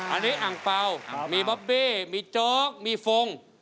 อันนี้อังเปล่ามีบ๊อบบี้มีโจ๊กมีฟง